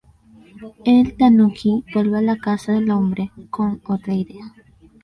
El "tanuki" vuelve a la casa del hombre con otra idea.